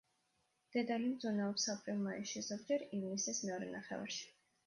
დედალი მძუნაობს აპრილ-მაისში, ზოგჯერ ივნისის მეორე ნახევარში.